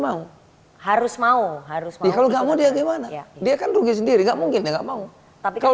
mau harus mau harus bisa mau dia gimana dia kan rugi sendiri nggak mungkin enggak mau tapi kalau